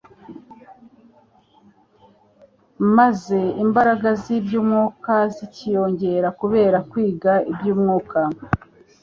maze imbaraga z'iby'umwuka zikiyongera kubera kwiga iby'umwuka.